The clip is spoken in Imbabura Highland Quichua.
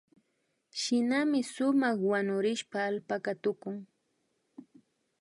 Shinami sumak wanurishka allpaka tukun